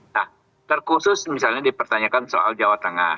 nah terkhusus misalnya dipertanyakan soal jawa tengah